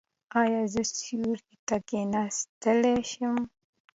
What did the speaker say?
ایا زه سیوري ته کیناستلی شم؟